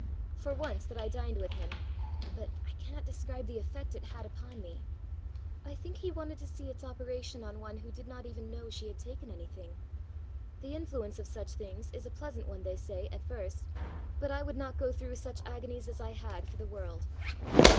For, once that I dined with him, but I cannot describe the effect it had upon me! I think he wanted to see its operation on one who did not even know she had taken anything. The influence of such things is a pleasant one, they say, at first, but I would not go through such agonies as I had for the world!"